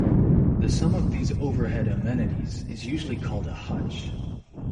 The sum of these overhead amenities is usually called a hutch.